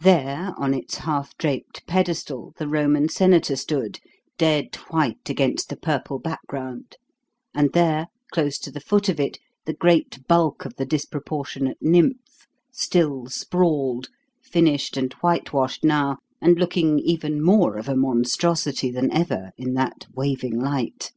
There, on its half draped pedestal, the Roman senator stood dead white against the purple background and there, close to the foot of it, the great bulk of the disproportionate nymph still sprawled, finished and whitewashed now, and looking even more of a monstrosity than ever in that waving light.